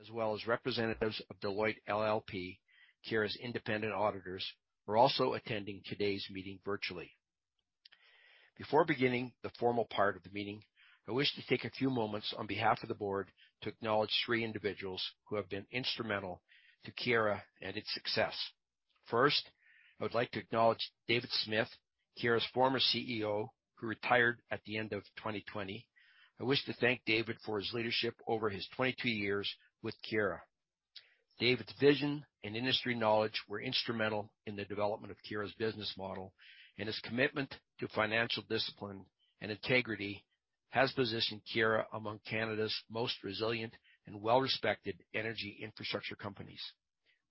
As well as representatives of Deloitte LLP, Keyera's independent auditors, who are also attending today's meeting virtually. Before beginning the formal part of the meeting, I wish to take a few moments on behalf of the board to acknowledge three individuals who have been instrumental to Keyera and its success. First, I would like to acknowledge David Smith, Keyera's former CEO, who retired at the end of 2020. I wish to thank David for his leadership over his 22 years with Keyera. David's vision and industry knowledge were instrumental in the development of Keyera's business model, and his commitment to financial discipline and integrity has positioned Keyera among Canada's most resilient and well-respected energy infrastructure companies.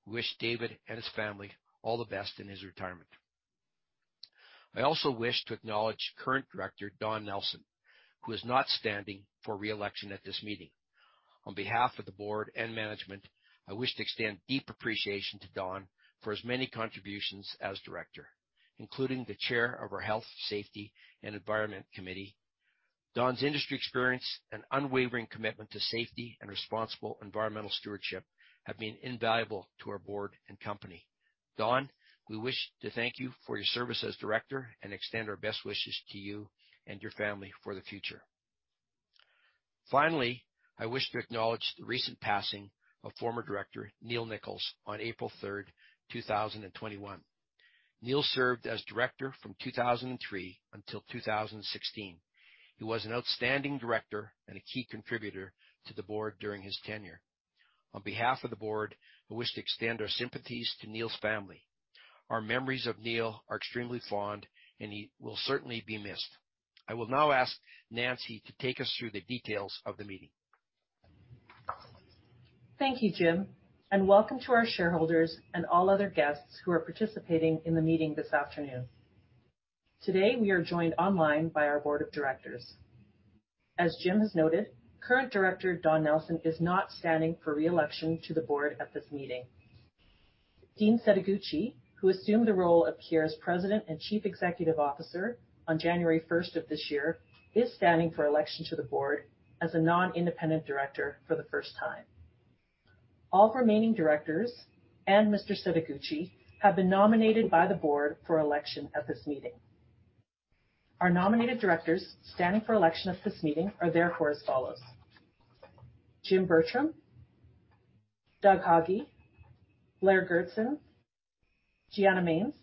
We wish David and his family all the best in his retirement. I also wish to acknowledge current Director, Don Nelson, who is not standing for re-election at this meeting. On behalf of the board and management, I wish to extend deep appreciation to Don for his many contributions as director, including the chair of our Health, Safety, and Environment Committee. Don's industry experience and unwavering commitment to safety and responsible environmental stewardship have been invaluable to our board and company. Don, we wish to thank you for your service as director and extend our best wishes to you and your family for the future. Finally, I wish to acknowledge the recent passing of former director Neil Nichols on April 3rd, 2021. Neil served as director from 2003 until 2016. He was an outstanding director and a key contributor to the board during his tenure. On behalf of the board, I wish to extend our sympathies to Neil's family. Our memories of Neil are extremely fond, and he will certainly be missed. I will now ask Nancy to take us through the details of the meeting. Thank you, Jim, and welcome to our shareholders and all other guests who are participating in the meeting this afternoon. Today, we are joined online by our board of directors. As Jim has noted, current director Don Nelson is not standing for re-election to the board at this meeting. Dean Setoguchi, who assumed the role of Keyera's President and Chief Executive Officer on January 1st of this year, is standing for election to the board as a non-independent director for the first time. All remaining directors and Mr. Setoguchi have been nominated by the board for election at this meeting. Our nominated directors standing for election at this meeting are therefore as follows: Jim Bertram, Doug Haughey, Blair Goertzen, Gianna Manes,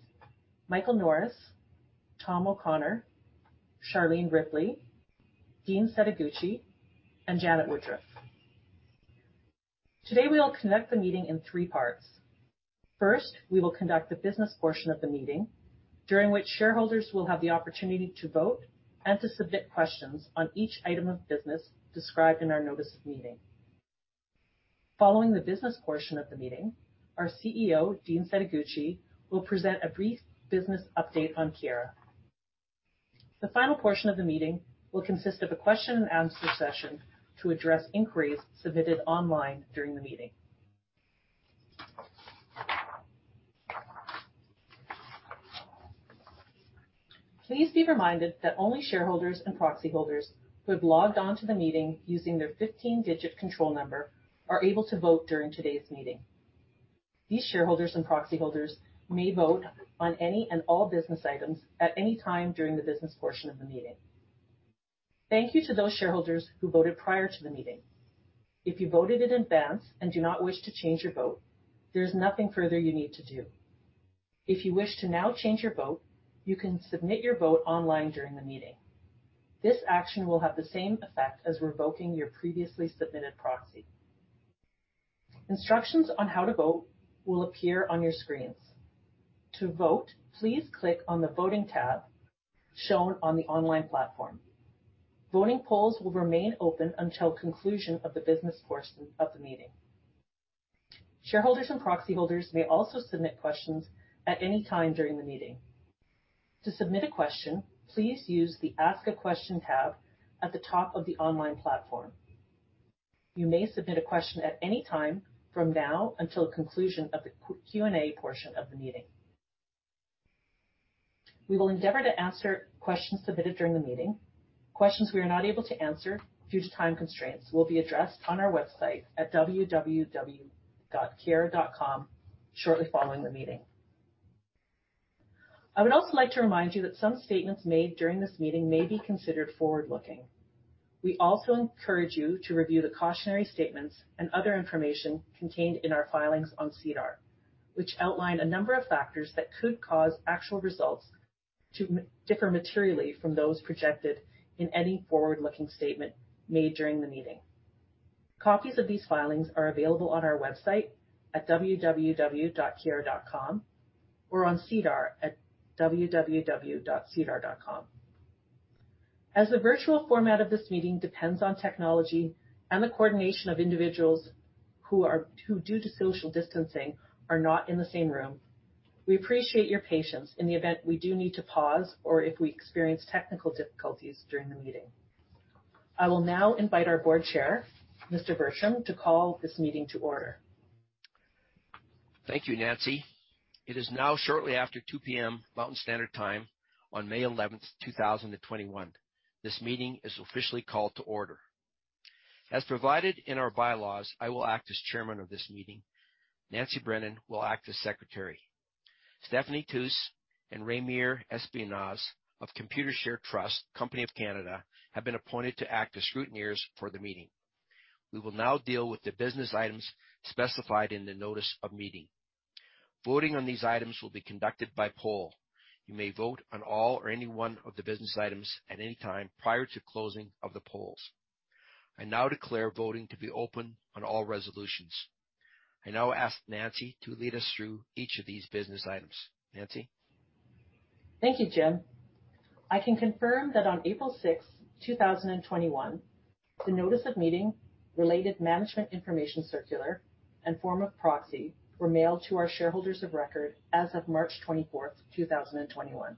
Michael Norris, Tom O'Connor, Charlene Ripley, Dean Setoguchi, and Janet Woodruff. Today, we will conduct the meeting in three parts. First, we will conduct the business portion of the meeting, during which shareholders will have the opportunity to vote and to submit questions on each item of business described in our notice of meeting. Following the business portion of the meeting, our CEO, Dean Setoguchi, will present a brief business update on Keyera. The final portion of the meeting will consist of a question and answer session to address inquiries submitted online during the meeting. Please be reminded that only shareholders and proxy holders who have logged on to the meeting using their 15-digit control number are able to vote during today's meeting. These shareholders and proxy holders may vote on any and all business items at any time during the business portion of the meeting. Thank you to those shareholders who voted prior to the meeting. If you voted in advance and do not wish to change your vote, there's nothing further you need to do. If you wish to now change your vote, you can submit your vote online during the meeting. This action will have the same effect as revoking your previously submitted proxy. Instructions on how to vote will appear on your screens. To vote, please click on the Voting tab shown on the online platform. Voting polls will remain open until conclusion of the business portion of the meeting. Shareholders and proxy holders may also submit questions at any time during the meeting. To submit a question, please use the Ask a Question tab at the top of the online platform. You may submit a question at any time from now until conclusion of the Q&A portion of the meeting. We will endeavor to answer questions submitted during the meeting. Questions we are not able to answer due to time constraints will be addressed on our website at www.keyera.com shortly following the meeting. I would also like to remind you that some statements made during this meeting may be considered forward-looking. We also encourage you to review the cautionary statements and other information contained in our filings on SEDAR, which outline a number of factors that could cause actual results to differ materially from those projected in any forward-looking statement made during the meeting. Copies of these filings are available on our website at www.keyera.com or on SEDAR at www.sedar.com. As the virtual format of this meeting depends on technology and the coordination of individuals who, due to social distancing, are not in the same room, we appreciate your patience in the event we do need to pause or if we experience technical difficulties during the meeting. I will now invite our Board Chair, Mr. Bertram, to call this meeting to order. Thank you, Nancy. It is now shortly after 2:00 P.M. Mountain Standard Time on May 11th, 2021. This meeting is officially called to order. As provided in our bylaws, I will act as chairman of this meeting. Nancy Brennan will act as secretary. Stephanie Tews and Raymer Espinoza of Computershare Trust Company of Canada have been appointed to act as scrutineers for the meeting. We will now deal with the business items specified in the notice of meeting. Voting on these items will be conducted by poll. You may vote on all or any one of the business items at any time prior to closing of the polls. I now declare voting to be open on all resolutions. I now ask Nancy to lead us through each of these business items. Nancy? Thank you, Jim. I can confirm that on April 6th, 2021, the notice of meeting, related management information circular, and form of proxy were mailed to our shareholders of record as of March 24th, 2021.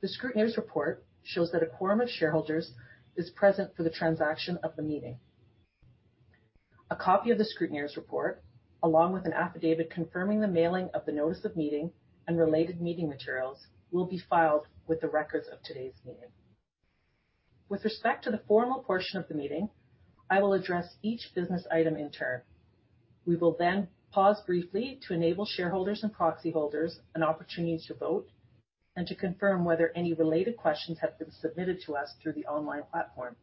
The scrutineer's report shows that a quorum of shareholders is present for the transaction of the meeting. A copy of the scrutineer's report, along with an affidavit confirming the mailing of the notice of meeting and related meeting materials, will be filed with the records of today's meeting. With respect to the formal portion of the meeting, I will address each business item in turn. We will then pause briefly to enable shareholders and proxy holders an opportunity to vote, and to confirm whether any related questions have been submitted to us through the online platform.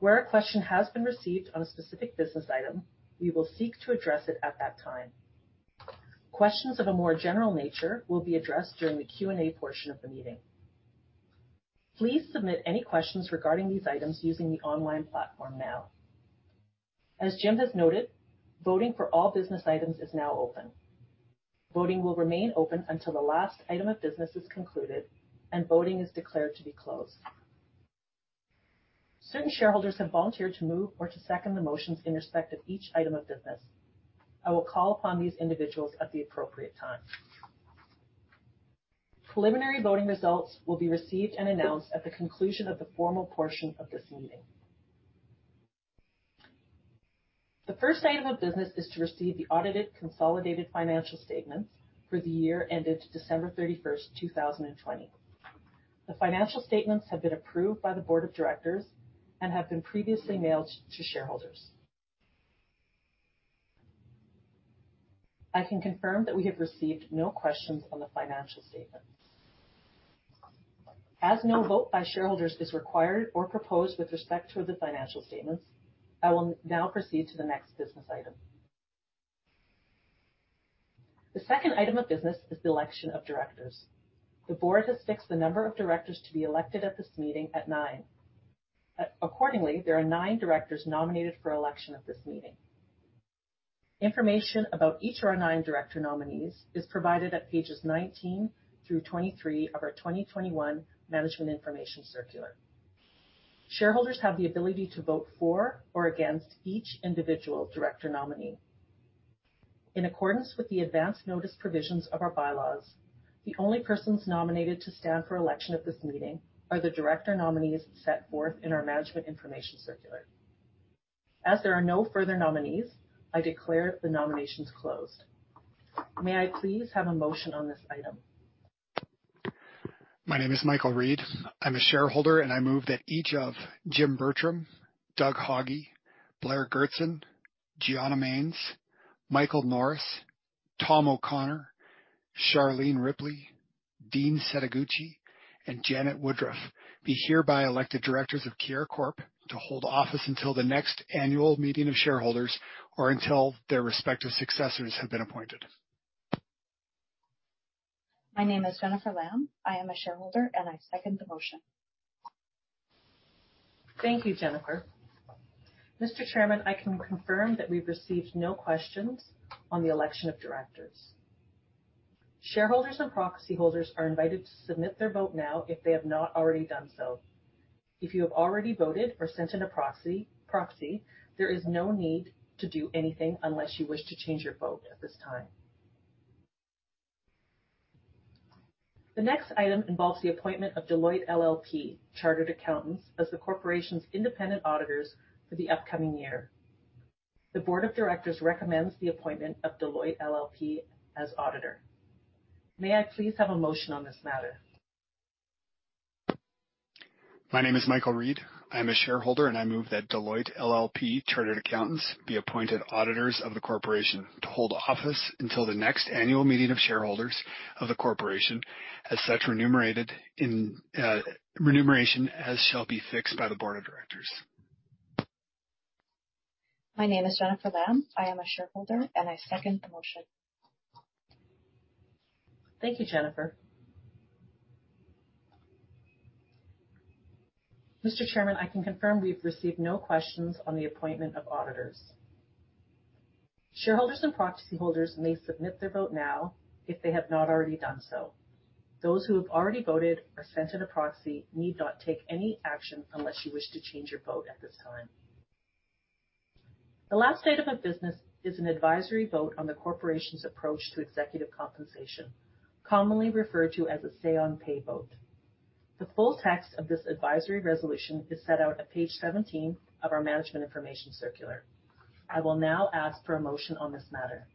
Where a question has been received on a specific business item, we will seek to address it at that time. Questions of a more general nature will be addressed during the Q&A portion of the meeting. Please submit any questions regarding these items using the online platform now. As Jim has noted, voting for all business items is now open. Voting will remain open until the last item of business is concluded and voting is declared to be closed. Certain shareholders have volunteered to move or to second the motions in respect of each item of business. I will call upon these individuals at the appropriate time. Preliminary voting results will be received and announced at the conclusion of the formal portion of this meeting. The first item of business is to receive the audited consolidated financial statements for the year ended December 31st, 2020. The financial statements have been approved by the board of directors and have been previously mailed to shareholders. I can confirm that we have received no questions on the financial statements. As no vote by shareholders is required or proposed with respect to the financial statements, I will now proceed to the next business item. The second item of business is the election of directors. The board has fixed the number of directors to be elected at this meeting at nine. Accordingly, there are nine directors nominated for election at this meeting. Information about each of our nine director nominees is provided at pages 19 through 23 of our 2021 Management Information Circular. Shareholders have the ability to vote for or against each individual director nominee. In accordance with the advance notice provisions of our bylaws, the only persons nominated to stand for election at this meeting are the director nominees set forth in our Management Information Circular. As there are no further nominees, I declare the nominations closed. May I please have a motion on this item? My name is Michael Reid. I'm a shareholder, and I move that each of Jim Bertram, Doug Haughey, Blair Goertzen, Gianna Manes, Michael Norris, Tom O'Connor, Charlene Ripley, Dean Setoguchi, and Janet Woodruff be hereby elected directors of Keyera Corp., to hold office until the next annual meeting of shareholders, or until their respective successors have been appointed. My name is Jennifer Lamb. I am a shareholder, and I second the motion. Thank you, Jennifer. Mr. Chairman, I can confirm that we've received no questions on the election of directors. Shareholders and proxy holders are invited to submit their vote now if they have not already done so. If you have already voted or sent in a proxy, there is no need to do anything unless you wish to change your vote at this time. The next item involves the appointment of Deloitte LLP Chartered Accountants as the corporation's independent auditors for the upcoming year. The board of directors recommends the appointment of Deloitte LLP as auditor. May I please have a motion on this matter? My name is Michael Reid. I am a shareholder, and I move that Deloitte LLP Chartered Accountants be appointed auditors of the corporation to hold office until the next annual meeting of shareholders of the corporation, as such remuneration as shall be fixed by the board of directors. My name is Jennifer Lamb. I am a shareholder, and I second the motion. Thank you, Jennifer. Mr. Chairman, I can confirm we've received no questions on the appointment of auditors. Shareholders and proxy holders may submit their vote now if they have not already done so. Those who have already voted or sent in a proxy need not take any action unless you wish to change your vote at this time. The last item of business is an advisory vote on the Corporation's approach to executive compensation, commonly referred to as a say on pay vote. The full text of this advisory resolution is set out at page 17 of our management information circular. I will now ask for a motion on this matter.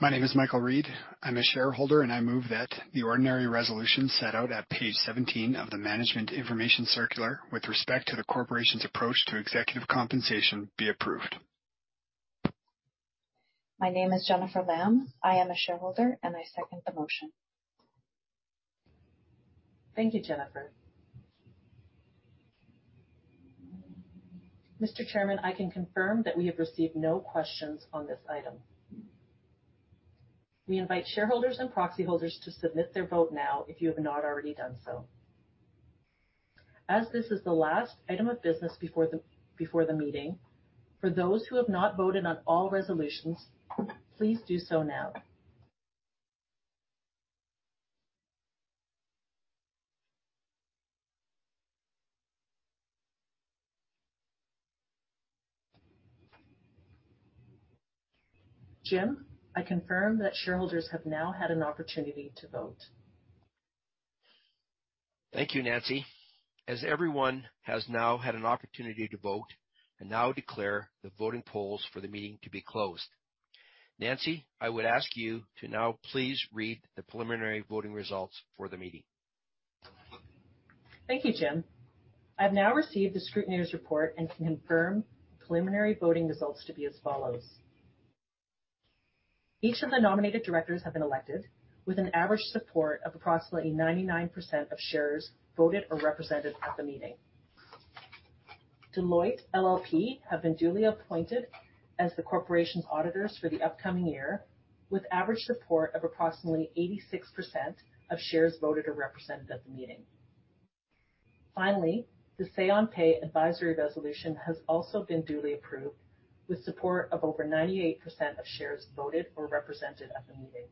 My name is Michael Reid. I'm a shareholder, and I move that the ordinary resolution set out at page 17 of the management information circular with respect to the corporation's approach to executive compensation be approved. My name is Jennifer Lamb. I am a shareholder, and I second the motion. Thank you, Jennifer. Mr. Chairman, I can confirm that we have received no questions on this item. We invite shareholders and proxy holders to submit their vote now if you have not already done so. As this is the last item of business before the meeting, for those who have not voted on all resolutions, please do so now. Jim, I confirm that shareholders have now had an opportunity to vote. Thank you, Nancy. As everyone has now had an opportunity to vote, I now declare the voting polls for the meeting to be closed. Nancy, I would ask you to now please read the preliminary voting results for the meeting. Thank you, Jim. I've now received the scrutineer's report and can confirm preliminary voting results to be as follows. Each of the nominated directors have been elected with an average support of approximately 99% of shares voted or represented at the meeting. Deloitte LLP have been duly appointed as the corporation's auditors for the upcoming year, with average support of approximately 86% of shares voted or represented at the meeting. Finally, the say on pay advisory resolution has also been duly approved, with support of over 98% of shares voted or represented at the meeting.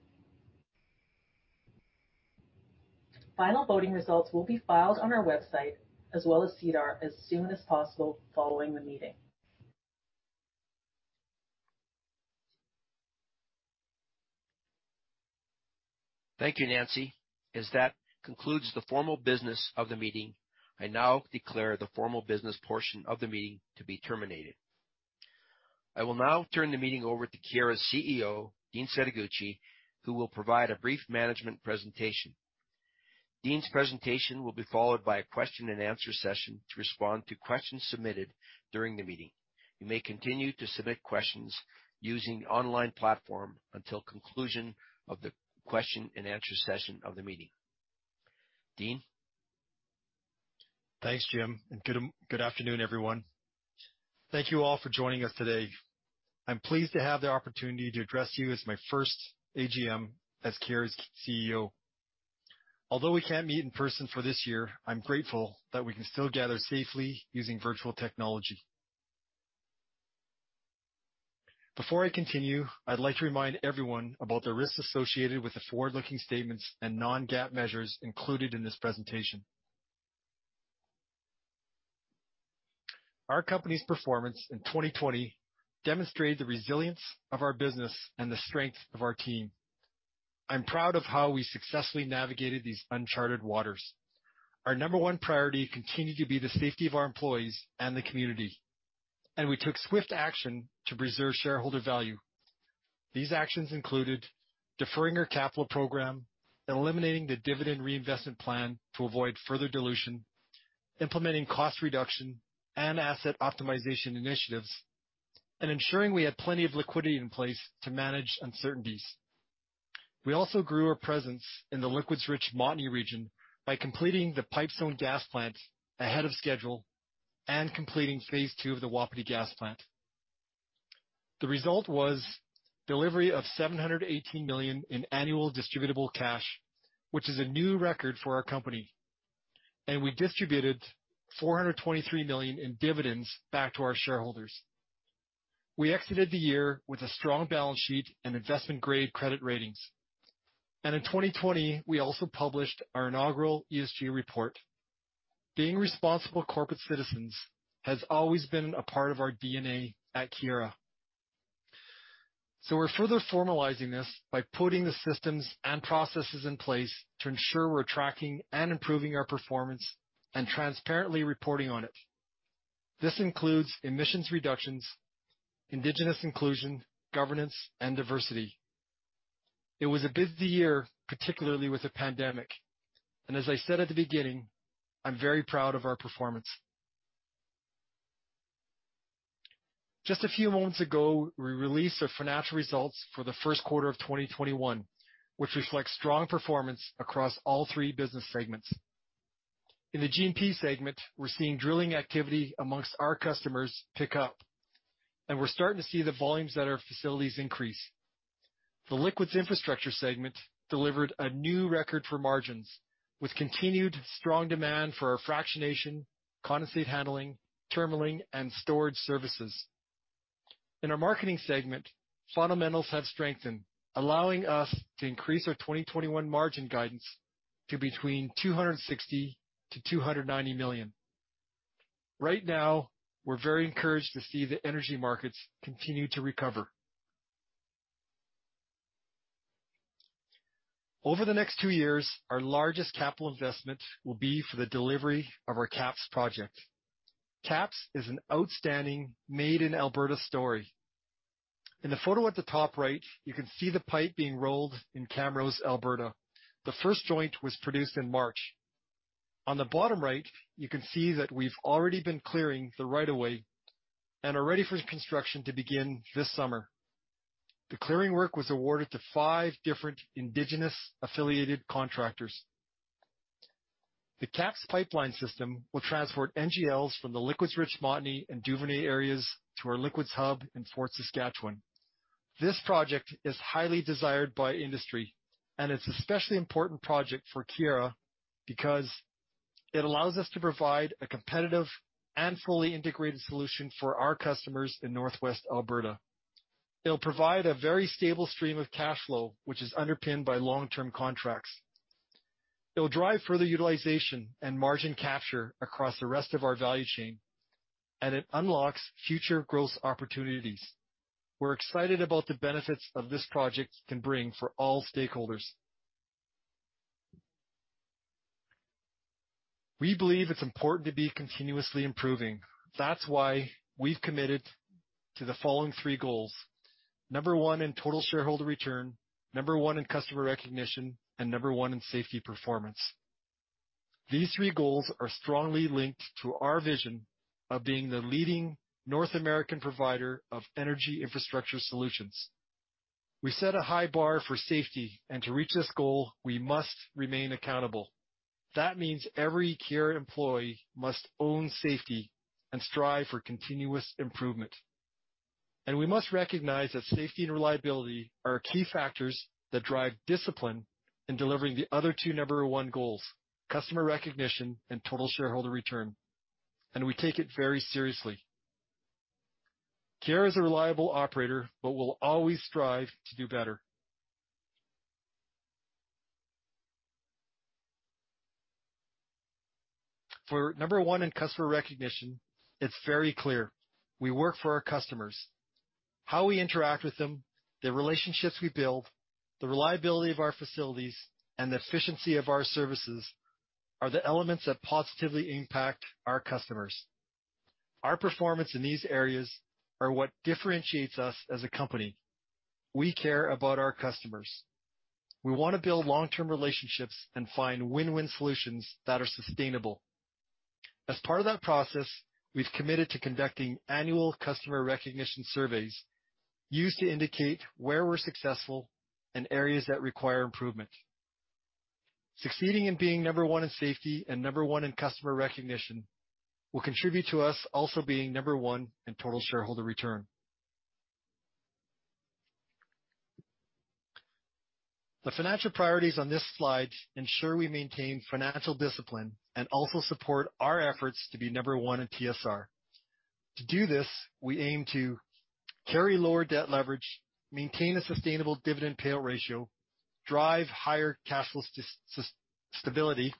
Final voting results will be filed on our website as well as SEDAR as soon as possible following the meeting. Thank you, Nancy. As that concludes the formal business of the meeting, I now declare the formal business portion of the meeting to be terminated. I will now turn the meeting over to Keyera's CEO, Dean Setoguchi, who will provide a brief management presentation. Dean's presentation will be followed by a question and answer session to respond to questions submitted during the meeting. You may continue to submit questions using the online platform until conclusion of the question and answer session of the meeting. Dean? Thanks, Jim. Good afternoon, everyone. Thank you all for joining us today. I'm pleased to have the opportunity to address you as my first AGM as Keyera's CEO. Although we can't meet in person for this year, I'm grateful that we can still gather safely using virtual technology. Before I continue, I'd like to remind everyone about the risks associated with the forward-looking statements and non-GAAP measures included in this presentation. Our company's performance in 2020 demonstrated the resilience of our business and the strength of our team. I'm proud of how we successfully navigated these uncharted waters. Our number one priority continued to be the safety of our employees and the community, and we took swift action to preserve shareholder value. These actions included deferring our capital program and eliminating the dividend reinvestment plan to avoid further dilution, implementing cost reduction and asset optimization initiatives, and ensuring we had plenty of liquidity in place to manage uncertainties. We also grew our presence in the liquids-rich Montney region by completing the Pipestone gas plant ahead of schedule and completing phase 2 of the Wapiti gas plant. The result was delivery of 718 million in annual distributable cash, which is a new record for our company. We distributed 423 million in dividends back to our shareholders. We exited the year with a strong balance sheet and investment-grade credit ratings. In 2020, we also published our inaugural ESG report. Being responsible corporate citizens has always been a part of our DNA at Keyera. We're further formalizing this by putting the systems and processes in place to ensure we're tracking and improving our performance and transparently reporting on it. This includes emissions reductions, indigenous inclusion, governance, and diversity. It was a busy year, particularly with the pandemic, and as I said at the beginning, I'm very proud of our performance. Just a few moments ago, we released our financial results for the first quarter of 2021, which reflects strong performance across all three business segments. In the G&P segment, we're seeing drilling activity amongst our customers pick up, and we're starting to see the volumes at our facilities increase. The Liquids Infrastructure segment delivered a new record for margins, with continued strong demand for our fractionation, condensate handling, terminalling, and storage services. In our Marketing segment, fundamentals have strengthened, allowing us to increase our 2021 margin guidance to between 260 million-290 million. Right now, we're very encouraged to see the energy markets continue to recover. Over the next two years, our largest capital investment will be for the delivery of our KAPS project. KAPS is an outstanding made-in-Alberta story. In the photo at the top right, you can see the pipe being rolled in Camrose, Alberta. The first joint was produced in March. On the bottom right, you can see that we've already been clearing the right of way and are ready for construction to begin this summer. The clearing work was awarded to five different indigenous-affiliated contractors. The KAPS pipeline system will transport NGLs from the liquids-rich Montney and Duvernay areas to our liquids hub in Fort Saskatchewan. This project is highly desired by industry, and it's an especially important project for Keyera because it allows us to provide a competitive and fully integrated solution for our customers in Northwest Alberta. It'll provide a very stable stream of cash flow, which is underpinned by long-term contracts. It will drive further utilization and margin capture across the rest of our value chain, and it unlocks future growth opportunities. We're excited about the benefits of this project can bring for all stakeholders. We believe it's important to be continuously improving. That's why we've committed to the following three goals. Number one in total shareholder return, number one in customer recognition, and number one in safety performance. These three goals are strongly linked to our vision of being the leading North American provider of energy infrastructure solutions. We set a high bar for safety, and to reach this goal, we must remain accountable. That means every Keyera employee must own safety and strive for continuous improvement. We must recognize that safety and reliability are key factors that drive discipline in delivering the other two number one goals, customer recognition and total shareholder return. We take it very seriously. Keyera is a reliable operator but will always strive to do better. For number one in customer recognition, it's very clear. We work for our customers. How we interact with them, the relationships we build, the reliability of our facilities, and the efficiency of our services are the elements that positively impact our customers. Our performance in these areas are what differentiates us as a company. We care about our customers. We want to build long-term relationships and find win-win solutions that are sustainable. As part of that process, we've committed to conducting annual customer recognition surveys used to indicate where we're successful and areas that require improvement. Succeeding in being number one in safety and number one in customer recognition will contribute to us also being number one in total shareholder return. The financial priorities on this slide ensure we maintain financial discipline and also support our efforts to be number one in TSR. To do this, we aim to carry lower debt leverage, maintain a sustainable dividend payout ratio, drive higher cash flow stability,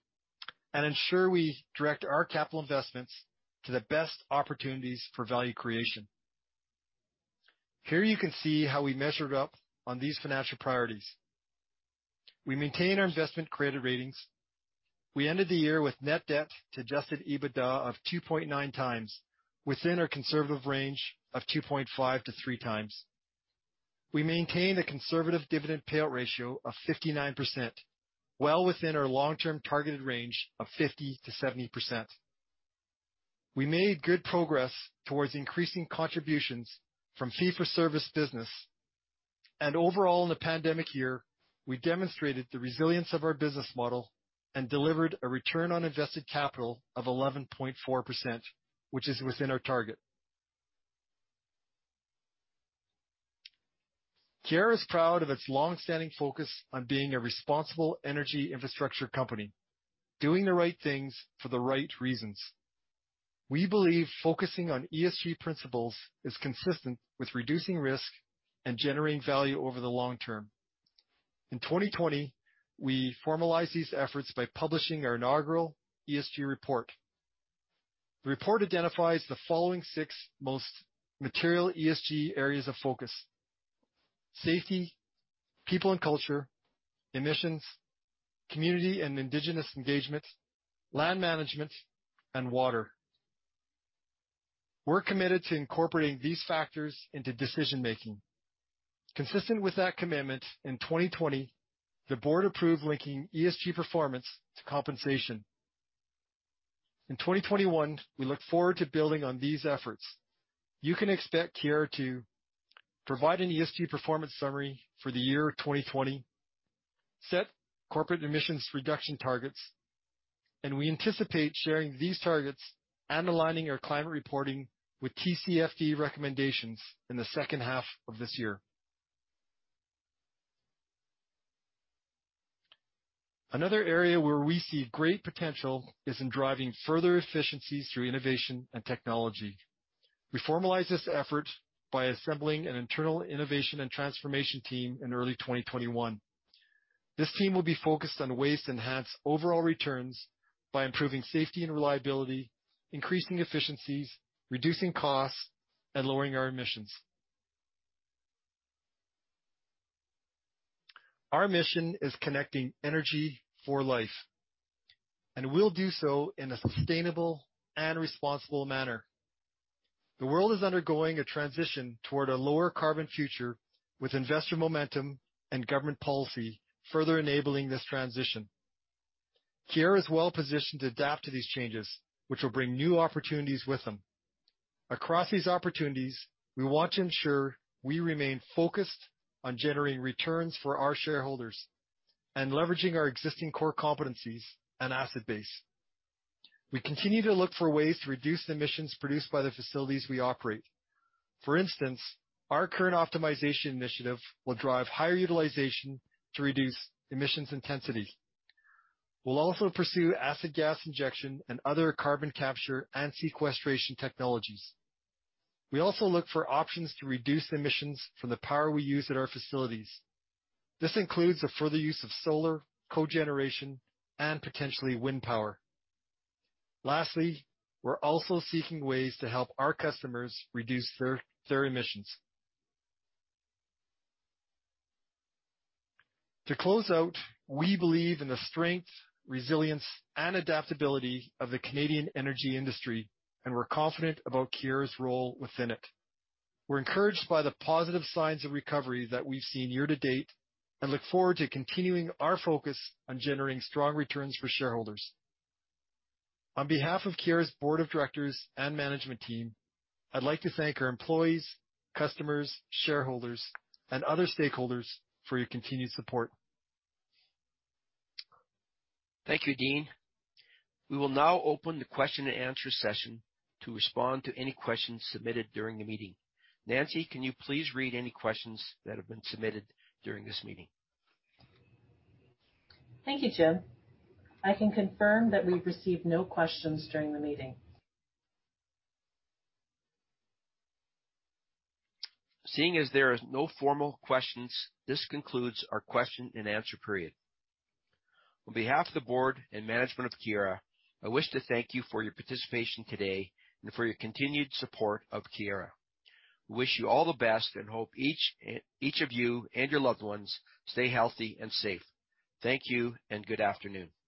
and ensure we direct our capital investments to the best opportunities for value creation. Here you can see how we measured up on these financial priorities. We maintain our investment-grade credit ratings. We ended the year with net debt to adjusted EBITDA of 2.9x, within our conservative range of 2.5x-3x. We maintained a conservative dividend payout ratio of 59%, well within our long-term targeted range of 50%-70%. We made good progress towards increasing contributions from fee-for-service business. Overall, in a pandemic year, we demonstrated the resilience of our business model and delivered a return on invested capital of 11.4%, which is within our target. Keyera is proud of its long-standing focus on being a responsible energy infrastructure company, doing the right things for the right reasons. We believe focusing on ESG principles is consistent with reducing risk and generating value over the long term. In 2020, we formalized these efforts by publishing our inaugural ESG report. The report identifies the following six most material ESG areas of focus: safety, people and culture, emissions, community and indigenous engagement, land management, and water. We're committed to incorporating these factors into decision-making. Consistent with that commitment, in 2020, the board approved linking ESG performance to compensation. In 2021, we look forward to building on these efforts. You can expect Keyera to provide an ESG performance summary for the year 2020, set corporate emissions reduction targets. We anticipate sharing these targets and aligning our climate reporting with TCFD recommendations in the second half of this year. Another area where we see great potential is in driving further efficiencies through innovation and technology. We formalize this effort by assembling an internal innovation and transformation team in early 2021. This team will be focused on ways to enhance overall returns by improving safety and reliability, increasing efficiencies, reducing costs, and lowering our emissions. Our mission is connecting energy for life. We'll do so in a sustainable and responsible manner. The world is undergoing a transition toward a lower carbon future with investor momentum and government policy further enabling this transition. Keyera is well-positioned to adapt to these changes, which will bring new opportunities with them. Across these opportunities, we want to ensure we remain focused on generating returns for our shareholders and leveraging our existing core competencies and asset base. We continue to look for ways to reduce emissions produced by the facilities we operate. For instance, our current optimization initiative will drive higher utilization to reduce emissions intensity. We'll also pursue acid gas injection and other carbon capture and sequestration technologies. We also look for options to reduce emissions from the power we use at our facilities. This includes the further use of solar, cogeneration, and potentially wind power. Lastly, we're also seeking ways to help our customers reduce their emissions. To close out, we believe in the strength, resilience, and adaptability of the Canadian energy industry, and we're confident about Keyera's role within it. We're encouraged by the positive signs of recovery that we've seen year-to-date and look forward to continuing our focus on generating strong returns for shareholders. On behalf of Keyera's Board of Directors and management team, I'd like to thank our employees, customers, shareholders, and other stakeholders for your continued support. Thank you, Dean. We will now open the question and answer session to respond to any questions submitted during the meeting. Nancy, can you please read any questions that have been submitted during this meeting? Thank you, Jim. I can confirm that we've received no questions during the meeting. Seeing as there is no formal questions, this concludes our question and answer period. On behalf of the board and management of Keyera, I wish to thank you for your participation today and for your continued support of Keyera. We wish you all the best and hope each of you and your loved ones stay healthy and safe. Thank you and good afternoon.